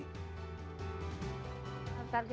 bagaimana cara menurut anda untuk menurunkan tenun melayu